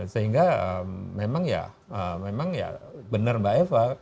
sehingga memang ya benar mbak eva